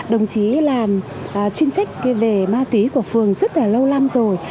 đồng chí làm chuyên trách về ma túy của phường rất là lâu lắm rồi